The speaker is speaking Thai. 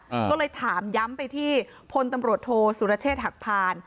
ก็เลยถามย้ำไปที่พลตำรวจโทสุรเชษฐ์หักพาน